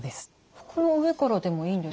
服の上からでもいいんですか？